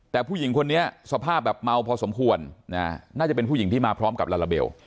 แต่ผู้หญิงคนนี้สภาพแบบเมาพอสมควรน่าจะเป็นผู้หญิงที่มาพร้อมกับลาลาเบล